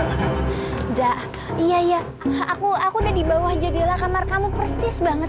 riza iya iya aku udah dibawah jadilah kamar kamu persis banget